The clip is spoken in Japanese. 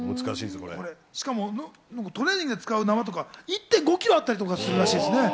しかもトレーニングで使う縄とかって、１．５キロとかあったりするらしいですね。